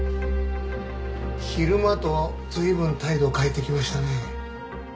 昼間とは随分態度を変えてきましたね。